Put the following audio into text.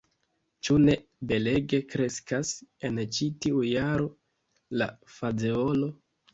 Ĉu ne belege kreskas en ĉi tiu jaro la fazeolo?